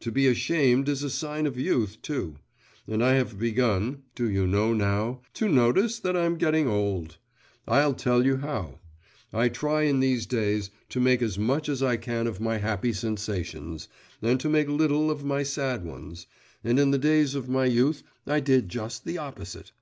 To be ashamed is a sign of youth, too; and I have begun (do you know how?) to notice that I'm getting old. I'll tell you how. I try in these days to make as much as I can of my happy sensations, and to make little of my sad ones, and in the days of my youth I did just the opposite.